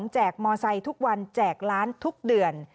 แกกมอไซค์ทุกวันแจกล้านทุกเดือน